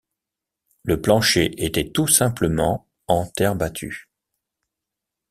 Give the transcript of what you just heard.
Le plancher était tout simplement en terre battue.